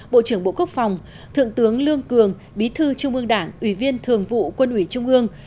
bộ trưởng bộ quốc phòng thượng tướng lương cường bí thư trung ương đảng ủy viên thường vụ quân ủy trung ương